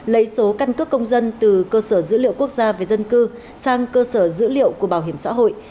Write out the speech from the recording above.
lấy số căn cước công dân từ cơ sở dữ liệu quốc gia về dân cư sang cơ sở dữ liệu của bảo hiểm xã hội